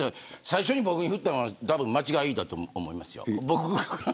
最初に僕に振ったのは間違いだと思います。